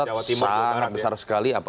jawabannya sangat besar sekali